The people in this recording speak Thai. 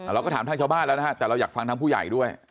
เราก็ถามทางชาวบ้านแล้วนะฮะแต่เราอยากฟังทางผู้ใหญ่ด้วย